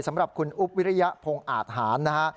สำหรับคุณอุ๊บวิริยพงศ์อาทหารนะฮะ